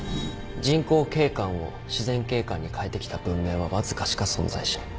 人工景観を自然景観に変えてきた文明はわずかしか存在しない。